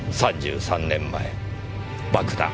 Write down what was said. ３３年前爆弾。